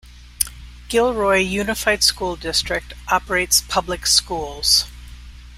Gilroy Unified School District operates public schools.